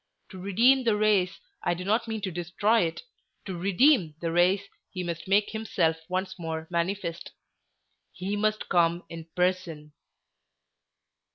To redeem the race—I do not mean to destroy it—to REDEEM the race, he must make himself once more manifest; HE MUST COME IN PERSON."